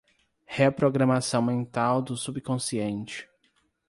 Reprogramação mental do subconsciente